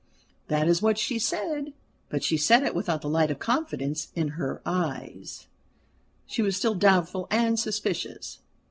That is what she said; but she said it without the light of confidence in her eyes she was still doubtful and suspicious.